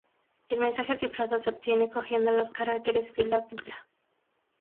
El mensaje cifrado se obtiene cogiendo los caracteres fila a fila.